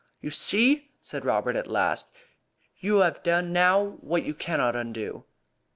"You see!" said Robert at last. "You have done now what you cannot undo!"